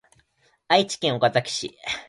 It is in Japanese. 愛知県岡崎市